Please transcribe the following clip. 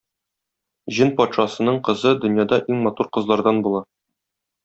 Җен патшасының кызы дөньяда иң матур кызлардан була.